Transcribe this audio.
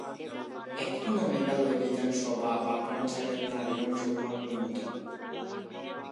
এখনও মেঘালয় বিধানসভা বা পঞ্চায়েত নারীর অংশগ্রহণ নূন্যতম।